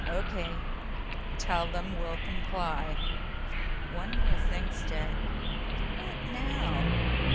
"O.K. Tell them we'll comply." "One more thing, Stet." "What now?"